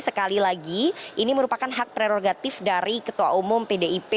sekali lagi ini merupakan hak prerogatif dari ketua umum pdip